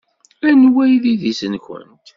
Anwa ay d idis-nwent?